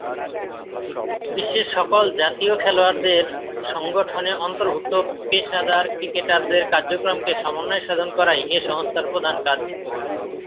বিশ্বের সকল জাতীয় খেলোয়াড়দের সংগঠনে অন্তর্ভুক্ত পেশাদার ক্রিকেটারদের কার্যক্রমকে সমন্বয় সাধন করাই এ সংস্থার প্রধান কাজ।